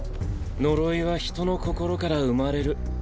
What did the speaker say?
呪いは人の心から生まれる。